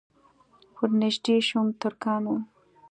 ور نږدې شوم ترکان وو.